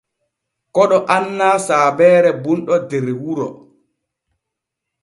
Koɗo annaa saabeere bunɗo der wuro.